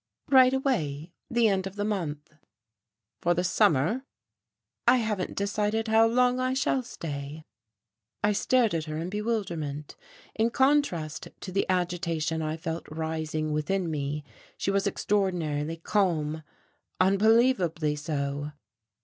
"Right away. The end of this month." "For the summer?" "I haven't decided how long I shall stay." I stared at her in bewilderment. In contrast to the agitation I felt rising within me, she was extraordinarily calm, unbelievably so.